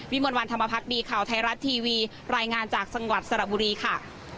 มวลวันธรรมพักดีข่าวไทยรัฐทีวีรายงานจากจังหวัดสระบุรีค่ะ